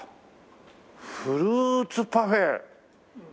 フルーツパフェ！